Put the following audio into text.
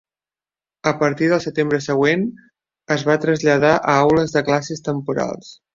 A partir del setembre següent, es va traslladar a aules de classe temporals.